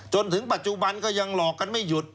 จนถึงปัจจุบันก็ยังหลอกกันไม่หยุด